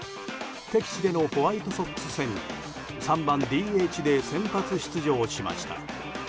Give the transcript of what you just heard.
敵地でのホワイトソックス戦に３番ＤＨで先発出場しました。